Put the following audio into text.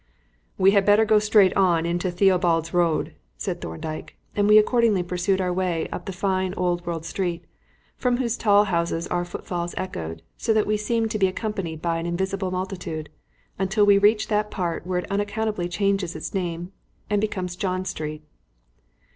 "We had better go straight on into Theobald's Road," said Thorndyke, and we accordingly pursued our way up the fine old world street, from whose tall houses our footfalls echoed, so that we seemed to be accompanied by an invisible multitude, until we reached that part where it unaccountably changes its name and becomes John Street.